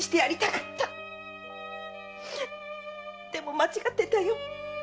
でも間違ってたよ。